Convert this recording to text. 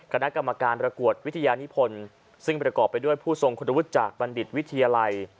คณะกรรมการรากวดวิทยานิพลฯประกอบให้ผู้ทรงคนละวุฒิจากบันดิษฐ์วิทยาลัย